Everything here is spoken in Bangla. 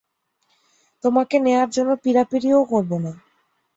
তোমাকে নেয়ার জন্য পীড়াপীড়িও করবো না।